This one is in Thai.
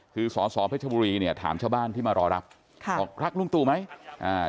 คือสอสอเพชรบุรีเนี่ยถามชาวบ้านที่มารอรับค่ะบอกรักลุงตู่ไหมอ่า